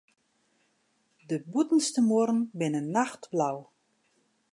De bûtenste muorren binne nachtblau.